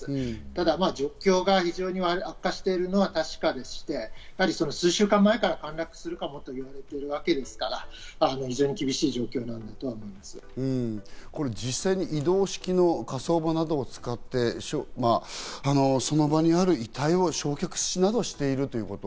ただ状況が悪化しているのは確かでして数週間前から陥落するかもと言っているわけですから、非常に厳し実際に移動式の火葬場などを使ってその場にある遺体を焼却などしているということ。